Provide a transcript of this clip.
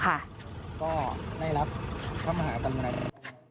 ผมยังอยากรู้ว่าว่ามันไล่ยิงคนทำไมวะ